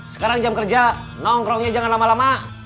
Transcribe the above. sekarang jam kerja nongkrongnya jangan lama lama